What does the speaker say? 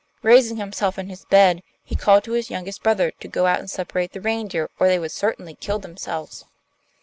Raising himself in his bed, he called to his youngest brother to go out and separate the reindeer or they would certainly kill themselves.